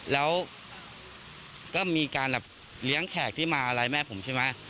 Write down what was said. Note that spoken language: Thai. แล้วก็มีการแบบเลี้ยงแขกที่มาอะไรแม่ผมใช่ไหม